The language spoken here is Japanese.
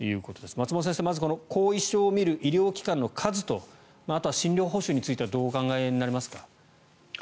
松本先生、まず後遺症を診る医療機関の数とあとは診療報酬についてはどうお考えになりますか。